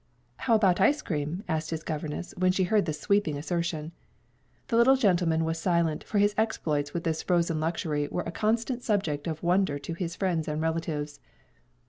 "How about ice cream?" asked his governess, when she heard this sweeping assertion. The young gentleman was silent, for his exploits with this frozen luxury were a constant subject of wonder to his friends and relatives.